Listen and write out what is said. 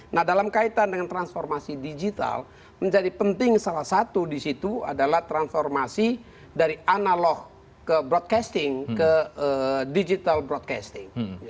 nah dalam kaitan dengan transformasi digital menjadi penting salah satu di situ adalah transformasi dari analog ke broadcasting ke digital broadcasting